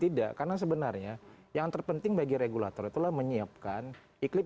tidak karena sebenarnya yang terpenting bagi regulator itulah menyiapkan iklim